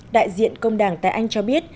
đại diện công đảng tại anh cho biết